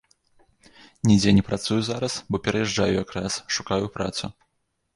Нідзе не працую зараз, бо пераязджаю якраз, шукаю працу.